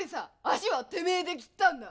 脚はてめえで切ったんだ。